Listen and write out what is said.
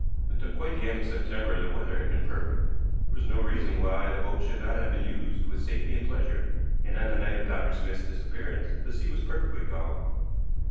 Until quite the end of September the weather had been perfect; there was no reason why the boat should not have been used with safety and pleasure, and on the night of Dr. Smith's disappearance the sea was perfectly calm.